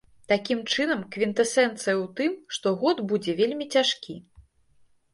Такім чынам, квінтэсэнцыя у тым, што год будзе вельмі цяжкі.